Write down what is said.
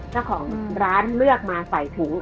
เจ้าของร้านเลือกมาใส่ถุง